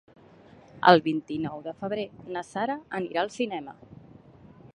El vint-i-nou de febrer na Sara anirà al cinema.